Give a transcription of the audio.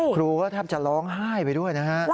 ครูก็ทำจะร้องไห้ไปด้วยนะครับ